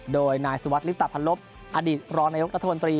โดยนายสวัสดิ์ฤทธาพันลบอดีตร้อนนายกรัฐธนตรี